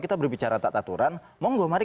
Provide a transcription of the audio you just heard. kita berbicara taat aturan monggo mari